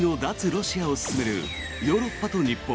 ロシアを進めるヨーロッパと日本。